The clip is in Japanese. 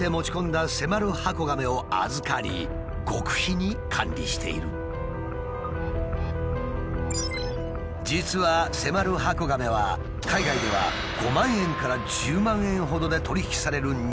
実はセマルハコガメは海外では５万円から１０万円ほどで取り引きされる人気のカメ。